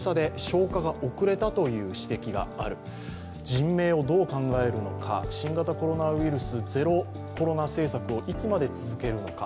人命をどう考えるのか新型コロナウイルスゼロコロナ政策をいつまで続けるのか。